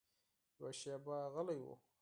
يوه شېبه غلی و.